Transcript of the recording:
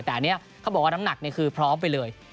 แต่อันนี้เขาบอกว่าน้ำหนักคือพร้อมไปเลย